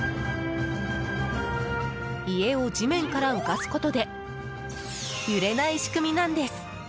家を地面から浮かすことで揺れない仕組みなんです。